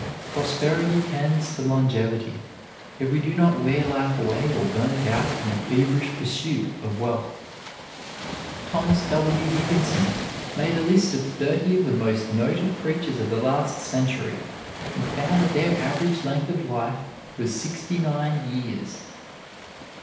Prosperity tends to longevity, if we do not wear life away or burn it out in the feverish pursuit of wealth. Thomas W. Higginson made a list of thirty of the most noted preachers of the last century, and found that their average length of life was sixty nine years.